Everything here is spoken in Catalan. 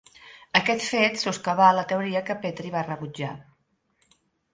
Aquest fet soscavar la teoria que Petri va rebutjar.